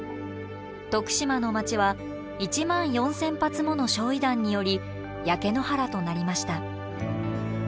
徳島の街は１万４，０００発もの焼夷弾により焼け野原となりました。